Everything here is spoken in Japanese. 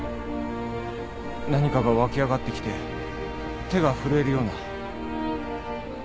何かが湧き上がってきて手が震えるような。